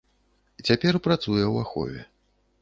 Цяпер працуе ў ахове.